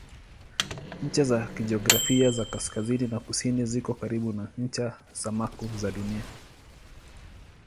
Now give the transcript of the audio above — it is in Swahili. Ncha za kijiografia za kaskazini na kusini ziko karibu na ncha sumaku za Dunia.